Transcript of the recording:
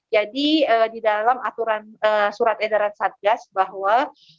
jadi di dalam aturan surat edaran satgas bahwa